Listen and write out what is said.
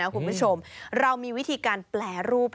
คุณผู้ชมเรามีวิธีการแปรรูป